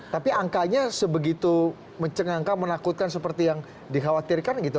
tapi angkanya sebegitu mencengangkan menakutkan seperti yang dikhawatirkan gitu